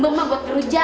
bang bang buat keruja